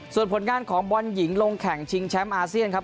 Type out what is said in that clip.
ส่วนผลงานของบอลหญิงลงแข่งชิงแชมป์อาเซียนครับ